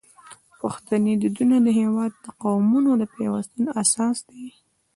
پښتني دودونه د هیواد د قومونو د پیوستون اساس دی.